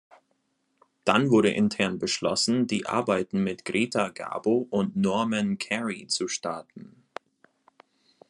Dann wurde intern beschlossen, die Arbeiten mit Greta Garbo und Norman Kerry zu starten.